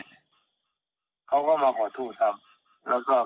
เขาก็มาขอโทษครับแล้วก็คืนเงินให้แล้วเขาก็บอกว่า